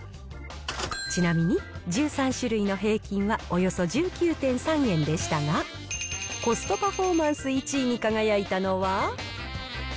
ちなみに１３種類の平均はおよそ１９．３円でしたが、コストパフォーマンス１位に輝いたのは？